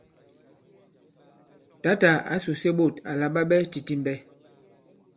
Tǎtà ǎ sùse ɓôt àla ɓa ɓɛ titimbɛ.